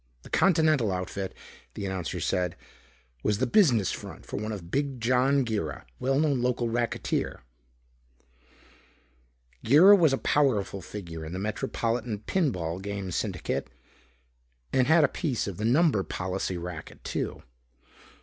The Continental outfit, the announcer said, was the business front of one Big John Girra, well known local racketeer. Girra was a powerful figure in the metropolitan pin ball game syndicate and had a piece of the number policy racket too.